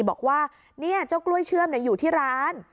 บอกว่าเนี่ยเจ้ากล้วยเชื่อมเนี่ยอยู่ที่ร้าน